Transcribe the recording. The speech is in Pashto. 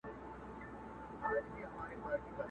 پرې ویده تېرېږي بله پېړۍ ورو ورو!.